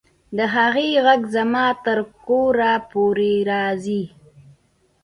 د هغې غږ زما تر کوره پورې راځي